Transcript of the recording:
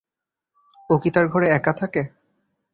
ও কি তার ঘরে একা থাকে?